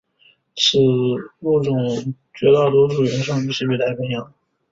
其物种绝大多数原生于西北太平洋。